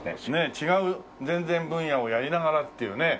違う全然分野をやりながらっていうね。